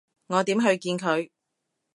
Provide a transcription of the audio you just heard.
我點去見佢？